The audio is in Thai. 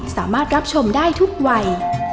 สามารถรับชมได้ทุกวัย